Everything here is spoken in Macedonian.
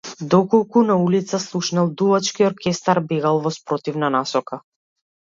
Доколку на улица слушнел дувачки оркестар, бегал во спротивна насока.